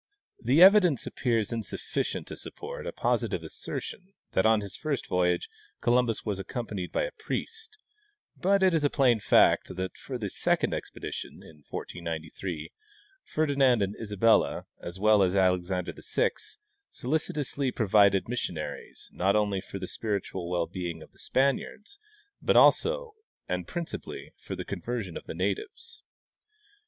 The evidence appears insufficient to supj)ort a positive assertion that on his first voyage Columbus was accompanied by a priest; but it is a plain fact that for the second expedition, in 1493, Ferdinand and Isabella, as well as Alexander VI, solicitously provided missionaries, not only for the spiritual well being of the Spaniards, but also and princi pally for the conversion of the natives.